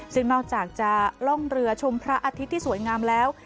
ซึ่งนอกจากจะล่องเรือชมพระอาทิตย์ที่สวยงามแล้ว